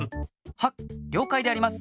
はっりょうかいであります。